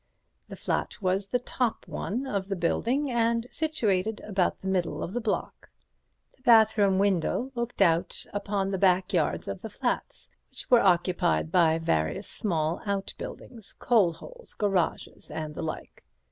The flat was the top one of the building and situated about the middle of the block. The bathroom window looked out upon the backyards of the flats, which were occupied by various small outbuildings, coal holes, garages, and the like.